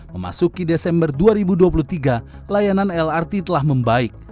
memasuki desember dua ribu dua puluh tiga layanan lrt telah membaik